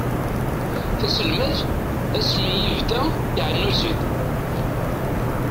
Taselmadt asmi i ibda iɛennu-tt-id.